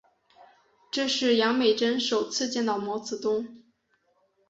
这是杨美真首次见到毛泽东。